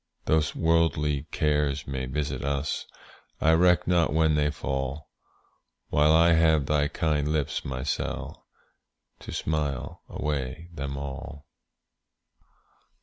Though worldly cares may visit us, I reck not when they fall, While I have thy kind lips, my Sall, To smile away them all.